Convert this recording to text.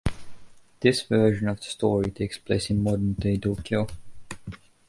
This version of the story takes place in modern-day Tokyo.